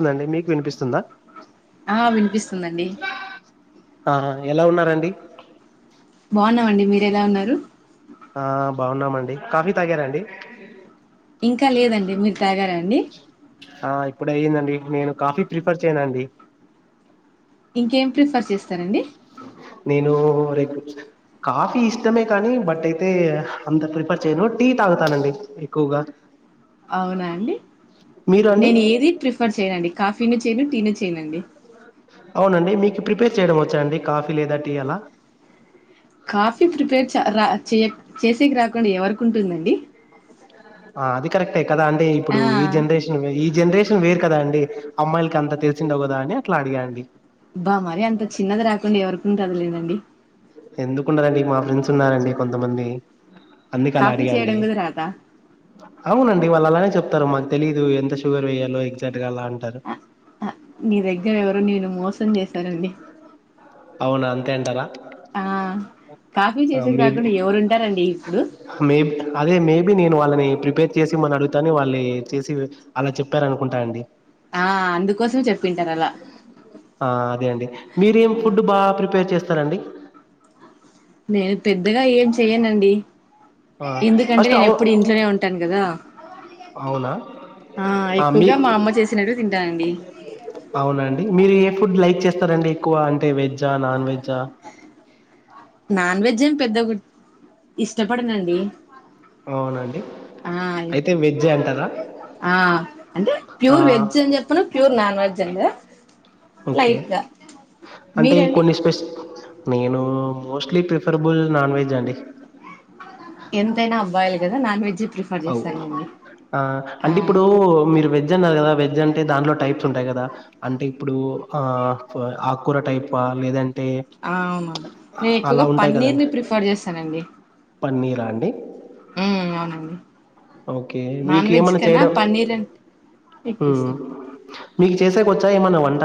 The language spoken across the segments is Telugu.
ందండి మీకు వినిపిస్తుందా ఆ వినిపిస్తుందండి ఆహా ఎలా ఉన్నారండి బాన్నామండి మీరేలా ఉన్నారు ఆ బాగున్నామండి కాఫీ తాగారా అండి ఇంకా లేదండి మీరు తాగరా అండి ఇప్పుడయ్యిందండి నేను కాఫీ ప్రిఫర్ చేయనండి ఇంకేం ప్రిఫర్ చేస్తారండి హలో హరే కృష్ణ కాఫీ ఇష్టమే కానీ బట్ అయితే అంత ప్రిఫర్ చేయను టీ తాగుతానండి ఎక్కువగా అవునా అండి మీరు అండి నేను ఏది ప్రిఫర్ చేయనండి కాఫీనీ చేయను టీనీ చేయ్యనుండి అవునండి మీకు ప్రిపేర్ చేయడం వచ్చా అండి కాఫీ లేదా టీ అలా కాఫీ ప్రిపేర్ చా రా చే చేసేకి రాకుండా ఎవరికుంటుందండీ. ఆ అది కరెక్టే కదా అండి ఇప్పుడు ఆ ఈ జనరేషన్ ఈ జనరేషన్ వేరు కదా అండి అమ్మాయిలకి అంత తెలిసిండవ్ కదా అని అట్లా అడిగా అండి బా మరి అంత చిన్నది రాకుండా ఎవరికుంటది లేదండి ఎందుకుండదండి మా ఫ్రెండ్స్ ఉన్నారండి కొంతమంది అందుకు అలా కాఫీ అడిగా అండి చేయడం కూడా రాదా అవునండి వాళ్ళ అలానే చెప్ సరే మాకు తెలీదు ఎంత షగర్ వెయ్యాలో ఎగజాక్ట్ ఆ ఆ మీ దగ్గర ఎవరు నేను మోసం చేశానండి అవునా అంతేంటారా ఆ కాఫీ ఆ చేసేకి మేబి రాకుండా ఎవరుంటారండి ఇప్పుడు మేబ అదే మేబి నేను వాళ్ళని ప్రిపేర్ చేసి మనం అడుగుతాని వాళ్ళు చేసి అలా చెప్పార అనుకుంటా అండి ఆ అందుకోసం చెప్పింటారు అలా ఆ అదే అండి మీరేం ఆ ఫుడ్ బా ప్రిపేర్ చేస్తారండి నేను పెద్దగా ఏం చెయ్యనండి ఆ ఎందుకంటే ఫస్ట్ నేను అవు ఎప్పుడు ఇంట్లోనే ఉంటాను కదా అవునా ఆ ఎక్కువగా మా అమ్మ చేసినట్టు తింటానండి అవునండి మీరు ఏ ఫుడ్ లైక్ చేస్త స్తారండి ఎక్కువ అంటే వెజ్జా నాన్ వెజా నాన్ వెజ్ ఏం పెద్ద ఇష్టపడినండి అవునండి అయితే వెజ్జే అంటారా ఆ అంటే ఆ ప్యూర్ వెజ్ అని చెప్పను ప్యూర్ నాన్ వెజ్ అంది కదా ఓకే లైట్ గా అంటే మీరండి కొన్ని స్పెస్ నేను మోస్ట్లీ ప్రిఫరబుల్ నాన్ వెజ్ అండి ఎంతైనా అబ్బాయిలు కదా నాన్ వెజ్ ప్రిఫర్ అవు చేస్తానండి ఆ ఆ అంటే ఇప్పుడు మీరు వెజ్ వెజ్ అన్నారు కదా వెజ్ అంటే దానిట్లో టైప్స్ ఉంటాయి కదా అంటే ఇప్పుడు ఆ ఆకూర టైపా లేదంట ఆ అవును నేను ఎక్కువగా ఉంటాయి పన్నీర్ కదండీ. ని ప్రిఫర్ చేస్తానండి పన్నీరా అండి మ్ అవునండి ఓకే మీకు నాన్ వెజ్ ఏమన్నా కన్నా చేయడం పన్నీర్ అంటే ఎక్కువ మ్ ఇష్టం అండి మీకు చేసేకి వచ్చా ఏమన్నా వంట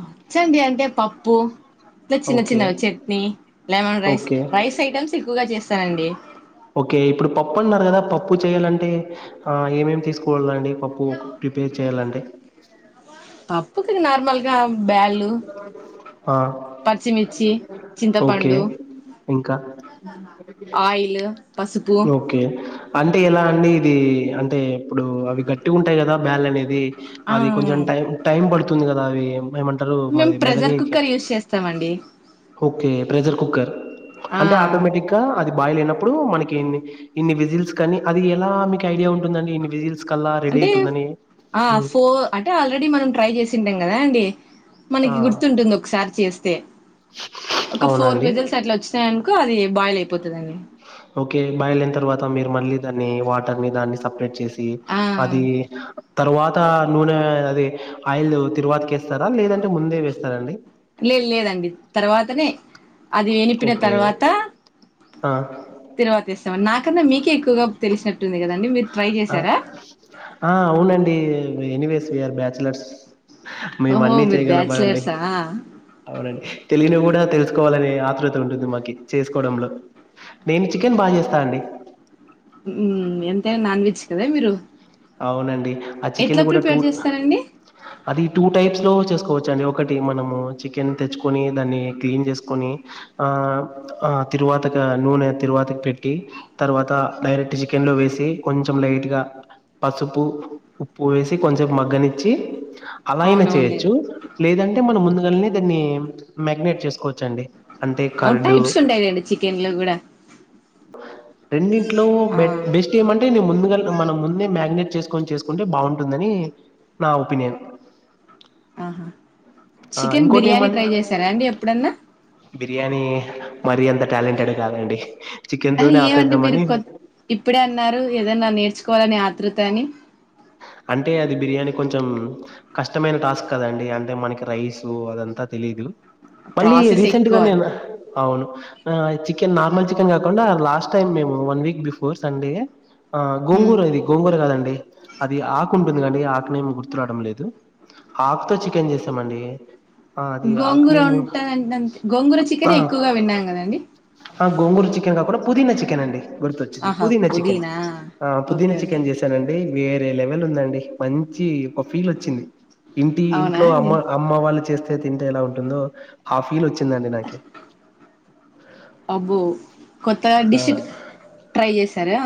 వచ్చండి అంటే పప్పు ఇట్లా చిన్న ఓకే. చిన్నవి chutney lemon rice okay. Rice items ఎక్కువగా చేస్తానండి ఓకే ఇప్పుడు పప్పు అన్నారు కదా పప్పు చేయాలంటే ఆ ఏమేమి తీసుకోళ్లండి పప్పు ప్రిపేర్ చేయాలంటే ఇకా బ్యాళు ఆ! పచ్చిమిర్చి ఓకే. చింతపండు ఇంకా ఆయిల్ పసుపు ఓకే అంటే ఎలా అండి ఇది టే అంటే ఇప్పుడు అవి గట్టి గుంటయ్ కదా బ్యాల్ అనేది ఆ అది కొంచం టైమ్ టైమ్ పడు తుంది కదా అవి ఏమంటారు మేము మధ్ ప్రెజర్ మెదగనీకి కుక్కర్ యూస్ చేస్తామండి కి ప్రెషర్ కుక్కర్ ఆ అంటే ఆటోమేటిక్ గా అది బాయిల్ అయినప్పుడు మనకి కిన్ని ఇన్ని విజిల్స్ కానీ అది ఎలా మీకు ఐడియా ఉంటుందండి ఇన్ని విజిల్స్ కల్లా రెడీ అంటే అయితుందని? ఆ హ్మ్. ఫోర్ అంటే ఆల్రెడీ మనం ట్రై చేసింటాం కదా అండి ఆ! మనకి గుర్తుంటుంది ఒకసారి చేస్తే ఒక అవునా ఫోర్ అండి? వీసిల్స్ అట్లా వచ్చినాయనుకో అది బాయిల్ అయిపోతాదండి ఓకే బయ్లేన తర్వాత మీరు మళ్ళీ దాన్ని వాటర్ ని దాన్ని సపరేట్ చేస్ తి ఆ అదీ తరువాత నూనె అది ఆయిల్ తిరువాత్కేస్తారా లేదంటే ముందే వేస్తారాండి లేద్ లేదండి తర్వాతనే అది వినిపిన ఓకే తర్వాత ఆ తిరువాత్ ఇస్ నాకన్న మీకే ఎక్కువగా తెలిసినట్టుంది కదండి మీరు ట్రై అ చేశారా ఆ అవునండి ఎనీవేస్ విఆర్ బ్యాచలర్స్ మేం ఓహో అన్ని మీరు చేయగలంమనండి బ్యాచలర్సా అవునండి తెలినివ్ కూడా తెలుస్ కోవాలనే ఆతృత ఉంటుంది మాకి చేసుకోవడంలో నేను చికెన్ బాగా చేస్తా అండి ఉమ్ ఎంతైనా నాన్ వెజ్ కదా మీరు అవునండి ఆ చికెన్ ఎట్లా కూడా టూ ప్రిపేర్ చేస్తారండి అది టూ టైప్స్ లో చేస్ కోవచ్చండి ఒకటి మనము చికెన్ తెచ్చుకొని దాన్ని క్లీన్ చేస్కొని ఆం అ తిరువాతక నూనె తిరువాతక్ పెట్టి తర్వాత డైరెక్ట్ చికెన్ లో వేసి కొంచం లైట్ గా పసుపు, ఉప్పు వేసి కొంచం మగ్గనిచ్చి అలా అయినా చేయొచ్చు అవునవునులేండి లేదంటే మనం ముందుగానే దాన్ని మ్యాగ్నేట్ చేసుకోవచ్ చ్చండి అంటే అవును కర్డు టైప్స్ ఉంటాయిలేండి చికెన్ లో కూడా రెండింట్లో ఆ బెట్ బెస్ట్ ఏమంటే నే ముందుగా మనం ముందే మ్యాగ్నేట్ చేస్కొని చేసుకుంటే బాగుంటుందని నా ఒపీనియన్ ఆహా ఆహ్, చికెన్ బిర్యానీ ఇంకోటేమన్ ట్రై చేశారా అండి ఎప్పుడన్నా బిర్యానీ మరి అంత టాలెంటెడ్ కాదండి చికెన్ ఆ తోనే ఏమండి మీరు ఆపేద్దామని కొ ఇప్పుడే అన్నారు ఏదన్నా నేర్చుకోవాలని ఆత్రృత అని అంటే అది బిర్యానీ కొంచం కష్టమైన టాస్క్ కదండి అంటే మనకి రైస్ అదంతా తే లిదు మళ్ళీ ప్రాసెస్ రీసెంట్ గా ఎక్కువ నేను అవును ఆహ్ చికెన్ నార్మల్ చికెన్ కాకుండా లాస్ట్ టైమ్ మేము వన్ వీక్ బిఫోర్ సండే ఆ ఉమ్ గోంగూర ఇది గోంగూర కాదండి ది ఆకు ఉంటుంది కండి ఆకునే ఏమి గుర్తు రావడం లేదు ఆకుతో చికెన్ చేసామండి ఆ అది గోంగూర ఆక్నేము ఉంటదంటే అంతే గోంగూర చికెనే ఆహ్ ఎక్కువగా విన్నాం కదండి అ గోంగూరు చికెన్ కాకుండా పుదినా చికెన్ అండి గుర్తొచ్చింది పుదీనా చికెన్ ఆ పుదీనా ఓకే ఓకే చికెన్ చేశానండి వేరే లెవల్ ఉందండి మంచి ఓ ఫీల్ వచ్చింది ఇంటి అవునా ఇంట్లో అండి అమ్మ అమ్మ వాళ్ళు చేస్త్ తే తింటే ఎలా ఉంటుందో ఆ ఫీల్ వచ్చిందండి నాకి అబ్బో కొత్తగా ఆ డిషిట్ ట్రై చేశారా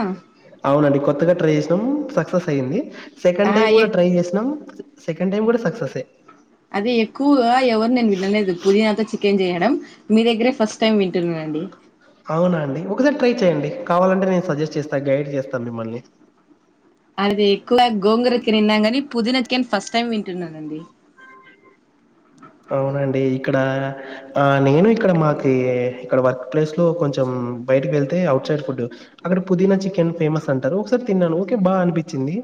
అవునండి కొత్తగా ట్రై చేసినాం సక్సెస్ అయ్యంది సెకండ్ ఆ టైం ఎ కూడా ట్రై చేసినాం సెకండ్ టైమ్ కూడా సక్సెసే అదీ ఎక్కువగా ఎవరు నేన్ వినలేదు పుదీనాతో చికెన్ చేయడం మీ దగ్గరే ఫస్ట్ టైమ్ వింటున్నానండి అవునా అండి ఒకసారి ట్రై చెయండి కావాలంటే నేను సజెస్ట్ చేస్తాను గైడ్ చేస్తాను మిమ్మల్ని అది ఎక్కువ గోంగుర కెన్ ఇన్నిన్ కానీ పుదిన కెన్ ఫస్ట్ టైం వింటున్నానండి అవునండి ఇక్కడ ఆ నేను ఇక్కడ మాకీ ఇక్కడ వర్క్ ప్లేస్ లో కొంచం మ్ బయటకి వెళ్తే ఔట్ సైడ్ ఫుడ్ అక్కడ పుదీనా చికెన్ ఫేమస్ అంటారు ఒకసారి తిన్నాను ఓకే బాగా అనిపిచ్చింది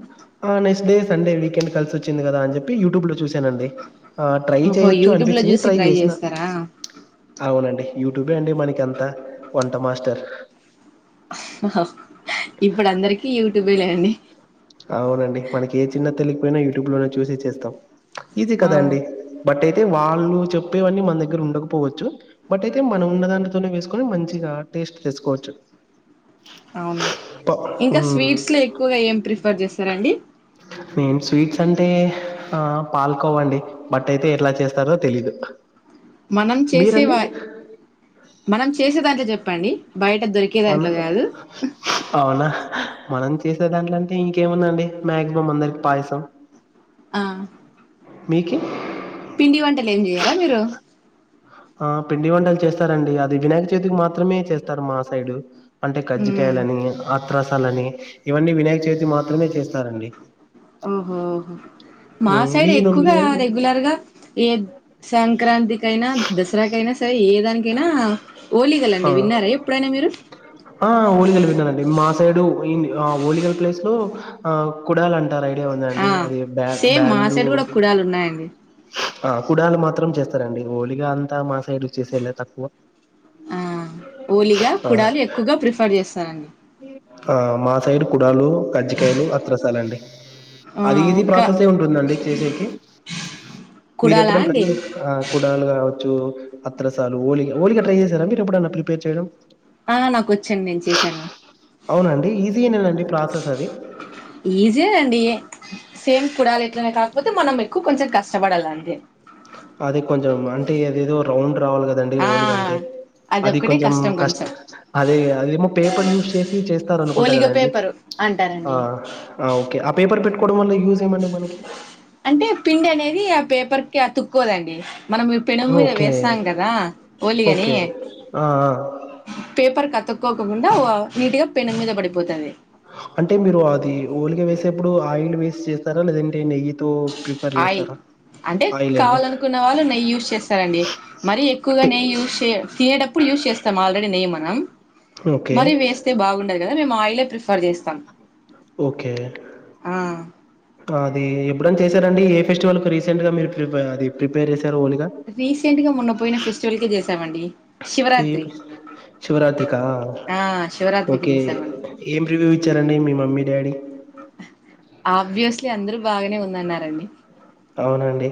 ఆ నెక్స్ట్ డే సండే వీకెండ్ కలిసి వచ్చింది కదా అని చెప్పి యూట్యూబ్ లో చూశానండి ఆ ట్రై ఓహో ఎచ్చు యూట్యూబ్ లో అనిపిచింది చూసి ట్రై చేసిన చేస్తారా అవునండి యూట్యూబే అండి మనకి అంత వంట మాస్టర్ ఇప్పుడు అందరికి యూట్యూబే లేవండి అవునండి మనకి ఏ చిన్న తెలికపోయినా యూట్యూబ్ లోనే చూసి చేస్తాం ఈజీ ఆ కదా అండి బటేక్ తే వాళ్ళు చెప్పేవన్నీ మన దగ్గర ఉండకపోవచ్చు బట్ అయితే మనం ఉన్న దాంట్తోనే వేసుకొని మంచిగా ఈస్ట్ తీసుకోవచ్చు. అవునండి ఇంకా స్వీట్స్ లో ఎక్కువగా ఏం ప్రిఫర్ చేస్తరండి. నేను స్వీట్స్ అంటే ఆ పాల్కోవండి బట్ అయితే ఎట్లా చేస్తారో తెలీదు. మనం మీరండి? చేసేవా మనం చేసేదాంట్లో చెప్పండి. బయట దొరికే అవునా? దాంట్లో కాదు. అవునా? మనం చేసే దాంట్లో అంటే ఇంకేముందండి మాక్సిమం అందరికి పాయసం. ఆ మీకి పిండి వంటలు ఏం చేయ్యరా మీరు? ఆ పిండి వంటలు చేస్తారండి. అది వినాయక చవితికి మాత్రమే చేస్తారు మా సైడు. అంటే మ్మ్ కజ్జికాయలని అత్రసాలని ఇవన్నీ వినాయక చవితికి మాత్రమే చేస్తారండి. ఆహా మా మ్, సైడ్ మీరు ఎక్కువగా మీరు రెగ్యులర్ గా ఏ సంక్రాంతి కైనా దసరాకైనా సరే ఏ దానికైనా ఆ ఓలీగలండి విన్నారా ఎప్పుడైనా మీరు. ఆ ఓలిగలు విన్నానండి. మా సైడు ఇ ఆ ఓలిగల ప్లేస్ లో ఆ కుడాలు అం టారు ఐడియా ఆ ఉందండి అది బ్యా సేమ్ మా బ్యాళ్ళు సైడ్ కూడా కుడాలు ఉన్నాయండి ఆ కుడాలు మాత్రం చేస్తారండి. ఓలిగా అంతా మా సైడ్ చేసేదిలా తక్కువా. ఆ ఓలిగా కుడాలు ఎక్కువగా ప్రిఫర్ చేస్తారు అండి. ఆ మా సైడ్ కుడాలు, కజ్జికాయలు అత్రసాలండి. ఆ అది ఈజీ ఒక్క ప్రాసెసే ఉంటుందండి చేసేకి. మీరు కుడాలా ఎప్పుడన్నా ట్రై అండి చేసారా ఆ కుడాలు కావచ్చు, అత్రసాలు, ఓలిగా ఓలిగలు ట్రై చేసారా మీరు ఎప్పుడన్నా ప్రిపేర్ చేయడం. ఆ నాకొచ్చండి నేను చేసాను. అవునా అండి ఈజీ ఏనానండి ప్రాసెస్. అది. ఈజీయే అండి. సేమ్ కుడాలి ఎట్లనే కాకపోతే మనం ఎక్కువ కొంచెం కష్టపడాలి అంతే. అది కొంచం అంటే అదేదో రౌండ్ రౌండ్ కదండి ఆ ఓలిగ అంటే, అది అదొక్కటే కొంచెం కష్టం కష్ట్ కొంచెం అదే అదేమో పేపర్ యూస్ చేసి చేస్తారు అనుకుంట ఓలిగ కదండి పేపరు ఆ అంటారండి ఆ ఓకే. పేపర్ పెట్టుకోవడం వల్ల యూస్ ఏమండి మనకి? అంటే పిండి అనేది ఆ పేపర్ కి అతుక్కోదండి. మనం పెనం మీద ఓకే. వేస్తాం కదా ఓలిగని. ఓకే. ఆ! ఆ! పేపర్ కతుక్కోకుండా నీట్ గా పెనం మీద పడిపోతది. అంటే మీరు అది ఓలిగా వేసేప్పుడు ఆయిల్ వేసిచేస్తారా, లేదంటే నెయ్యితో ప్రిఫర్ ఆయిల్ చేస్తరా. అంటే కావాలనుకున్న వాళ్లు నెయ్యి యూస్ చేస్తారండి. మరీ ఎక్కువగా అంటే నెయ్యి యూస్ చే తినేటప్పుడు యూస్ చేస్తాం ఆల్రెడి నెయ్యి మనం, ఓకే. మరీ వేస్తే బాగుండదు కదా మేం ఆయిలే ప్రిఫర్ చేస్తాం. ఓకే ఆ అది ఎప్పుడనా చేశారండి ఫెస్టివల్ కు రీసెంట్గా మీరు ప్రిపే అది ప్రిపేర్ చేసారు. రీసెంట్ గా మొన్న పోయిన ఫెస్టివల్కె చేశామండి. ఈ శివరాత్రికా. ఆ శివరాత్రికి ఓకే చేసామండి ఏం రివ్యూ ఇచ్చారండి మీ మమ్మీ డాడీ. ఆబివియస్లీ అందరూ బాగనే ఉందన్నారు అండి. అవునండి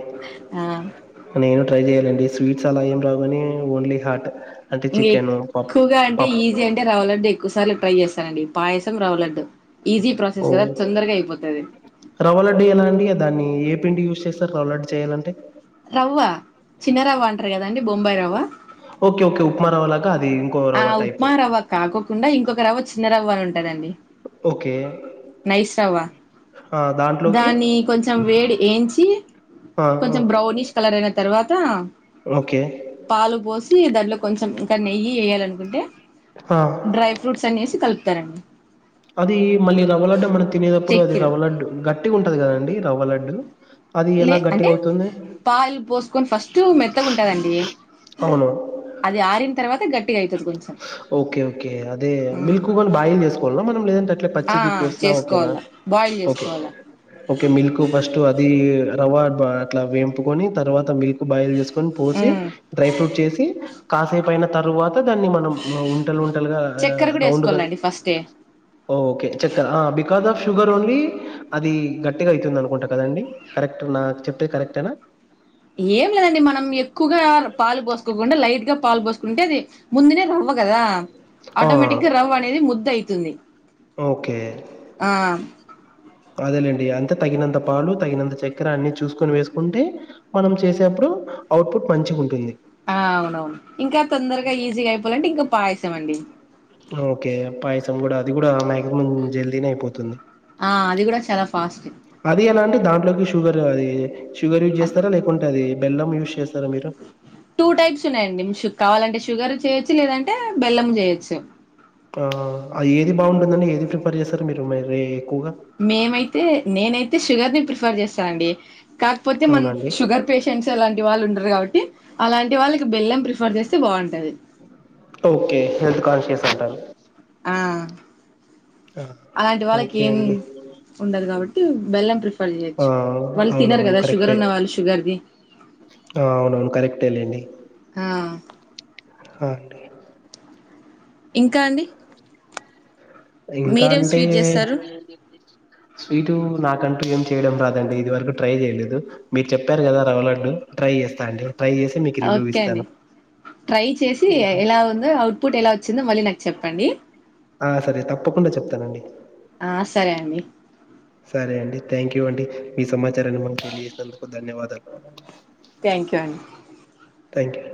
నేను ట్రై చెయ్యలే అది స్వీట్స్ అలా ఏం రావు కానీ ఓన్లీ హాట్. అంటే ఇంగా చికెను, పప్ ఎక్కువగా అంటే పప్ ఈజీ అంటే రవ్వ లడ్డు ఎక్కువ సార్లు ట్రై చేస్తానండి పాయసం, రవ్వలడ్డు. ఓ రవ్వలడ్డు ఎలా అండి దాన్ని ఏ పిండి యూస్ చేస్ స్తరు రవ్వలడ్డు చేయాలంటే. రవ్వ చిన్నరవ్వ అంటారు కదండి బొంబాయి రవ్వ ఓకే. ఓకే. ఉప్మా రవ్వలాగా అది ఇంకో ఆ రవ్వ టైపు. ఉప్మా రవ్వ కాకోకుండా ఇంకొక రవ్వ చిన్నరవ్వ అని ఉంటదండి ఓకే. నైస్ రవ్వ ఆ! దాంట్లోకి దాని కొంచెం వేడి ఏంచి ఆ! ఆ! కొంచెం బ్రౌనిష్ కలర్ అయిన తర్వాత ఓకే. పాలు పోసి దాంట్లో కొంచెం ఇంకా నెయ్యి వేయ్యాలనుకుంటే ఆ! డ్రై ఫ్రూట్స్ అన్నేసి కలుపుతారండి అది మళ్ళీ రవ్వలడ్డు మనం తినేటప్పుడు అది చక్కెర రవ్వలడ్డు గట్టిగా ఉంటది కదండి రవ్వలడ్డు అది లే ఎలా అంటే గట్టిగా అవుతుంది పాలు పోసుకొని ఫస్ట్ మెత్తగుంటదండి అవును అది ఆరిన తర్వాత గట్టి ఓకే ఓకే అదే మిల్క్ కూడా బాయిల్ చేసుకోవాల మనం లేదంటే లేదంటే ఆ పచ్చిది పోసిన ఓకెనా చేసుకోవాల బాయిల్ ఓకె చేసుకోవాల ఓకె మిల్క్ ఫస్ట్ అది రవ్వ అట్లా వేంపుకొని తర్వాత మిల్క్ బాయిల్ చేసుకొని పోసి డ్రై ఫ్రూట్ చేసి కాసేపుయిన తరువాత దాన్ని మనం ఉంటలు ఉంటలుగా చక్కెర కూడా రౌండ్ గా వేసుకోవాలండి ఫస్టే ఓ ఓకే చెక్కర్ బికాస్ ఆఫ్ షుగర్ ఓన్లీ అది గట్టిగా అయితుంది అనుకుంటా కదండి కరెక్ట్ నా చెప్పేది కరెక్టేనా ఏం లేదండి మనం ఎక్కువగా పాలు పోసుకోకుండా లైట్ గా పాలు పోసుకుంటే అది ముందునే రవ్వ కదా ఆ ఆటోమేటిక్ గా రవ్వ అనేది ముద్ద అయితుంది ఓకే ఆ అదేలేండి అంతే తగినంత పాలు తగినంత చక్కెర అన్ని చూసుకొని వేసుకుంటే మనం చేసేప్పుడు అవుట్పుట్ మంచిగ ఉంటుంది ఆ అవునవును ఇంకా తొందరగా ఈజీగా అయిపోవాలంటే ఇంకా పాయసమండి ఓకే పాయసం కూడా అది కూడా మాక్సిమం జల్దీనే అయిపోతుంది ఆ అది కూడా చాలా ఫాస్ట్ అది ఎలా అంటే దాంట్లోకి షుగర్ అది షుగర్ యూజ్ అది చేస్తారా లేకుంటే అది బెలం యూజ్ చేస్త టూ టైప్స్ ఉన్నాయండి కావాలంటే షుగర్ చేయొచ్చు లేదంటే బెల్లం చేయొచ్చు ఆ అది ఏది బాగుంటుందని ఏది ప్రిఫర్ చేస్తారు మీరు మరీ మేమైతే నేనైతే షుగర్ ని ప్రిఫర్ చేస్తాను అండి కాకపోతే మనం అవునండి షుగర్ పేషెంట్స్ అలాంటి వాళ్ళు ఉండరు కాబట్టి అలాంటి వాళ్ళకి బెల్లం ప్రిఫర్ చేస్తే బాగుంటది ఓకే హెల్త్ కాన్షియస్ అంటారు ఆ ఆ! అలాంటి వాళ్ళకి ఓకే ఏం అండి ఉండదు కాబట్టి బెల్లం ప్రిఫర్ ఆ చేయొచ్చు వాళ్ళు తినరు అవునవును కదా షుగర్ కరెక్టే ఉన్న వాళ్ళు షుగర్ది ఆ అవునవును కరెక్టే లేండి ఆ హా అండి ఇంకా అండి ఇంకా మీరేం అంటే స్వీట్ చేస్తారు స్వీటు నా కంటు ఏం చేయడం రాదండి ఇది వరకు ట్రై చేయలేదు మీరు చెప్పారు కదా రవ్వ లడ్డు ట్రై చేస్తా అండి ట్రై చేసి మీకు రివ్యూ ఓకే అండి ఇస్తాను ట్రై చేసి ఎలా ఉందో అవుట్పుట్ ఎలా వచ్చిందో మళ్ళీ నాకు చెప్పండి ఆ సరే తప్పకుండా చెప్తానండి ఆ సరే అండి సరే అండి థ్యాంక్ యూ అండి మీ సమాచారాన్ని మాకు తెలియజేసినందుకు ధన్యవాదాలు థ్యాంక్ యూ అండి థ్యాంక్ యూ